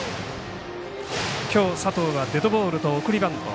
きょう佐藤はデッドボールと送りバント。